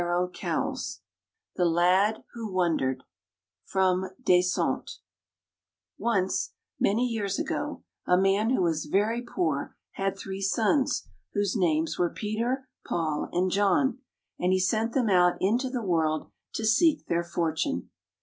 [ 108 ] THE LAD WHO WONDERED O NCE, many years ago, a man who was very poor had three sons whose names were Peter, Paul, and John, and he sent them out into the world to seek their for tune.